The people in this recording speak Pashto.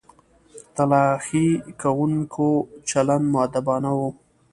تلاښي کوونکو چلند مؤدبانه و.